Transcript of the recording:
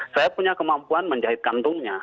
saya punya kemampuan menjahit kantungnya